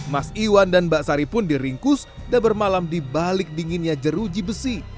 mas iwan dan mbak sari pun diringkus dan bermalam di balik dinginnya jeruji besi